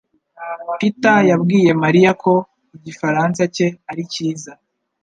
peter yabwiye Mariya ko igifaransa cye ari cyiza.